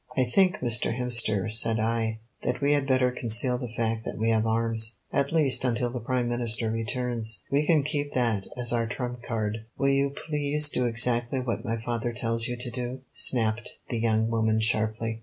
"I think, Mr. Hemster," said I, "that we had better conceal the fact that we have arms, at least until the Prime Minister returns. We can keep that as our trump card." "Will you please do exactly what my father tells you to," snapped the young woman sharply.